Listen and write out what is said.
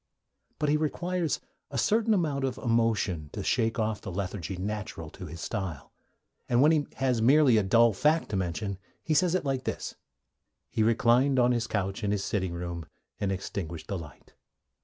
But he requires a certain amount of emotion to shake off the lethargy natural to his style, and when he has merely a dull fact to mention he says it like this: 'He reclined on his couch in the sitting room, and extinguished the light.'